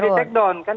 sudah di take down